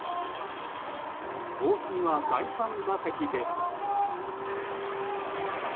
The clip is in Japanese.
大谷は第３打席でも。